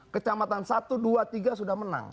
kecamatan satu dua tiga sudah menang